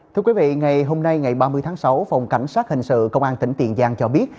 thưa quý vị ngày hôm nay ngày ba mươi tháng sáu phòng cảnh sát hình sự công an tỉnh tiền giang cho biết